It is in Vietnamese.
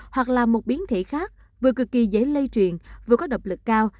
hoặc là một biến thể khác vừa cực kỳ dễ lây truyền vừa có độc lực cao